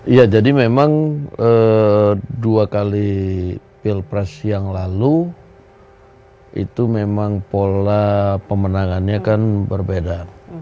iya jadi memang dua kali pilpres yang lalu itu memang pola pemenangannya kan berbeda